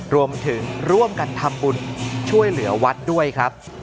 รวมถึงร่วมกันทำบุญช่วยเหลือวัดด้วยครับ